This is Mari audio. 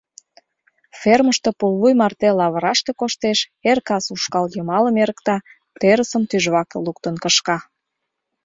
Фермыште пулвуй марте лавыраште коштеш, эр-кас ушкал йымалым эрыкта, терысым тӱжваке луктын кышка.